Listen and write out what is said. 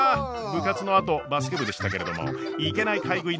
部活のあとバスケ部でしたけれどもいけない買い食い